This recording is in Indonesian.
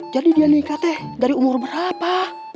jadi dia nikah teh dari umur berapa